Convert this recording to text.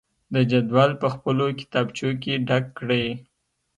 د جدول په خپلو کتابچو کې ډک کړئ.